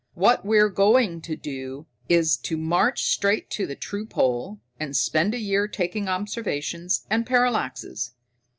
What we're going to do is to march straight to the true pole, and spend a year taking observations and parallaxes.